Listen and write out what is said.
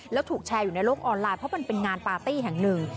แล้วถูกแชร์อยู่ในโลกออนไลน์เพราะมันเป็นงานปาร์ตี้แห่งหนึ่ง